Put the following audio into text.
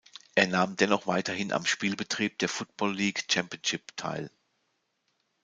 Er nahm dennoch weiterhin am Spielbetrieb der Football League Championship teil.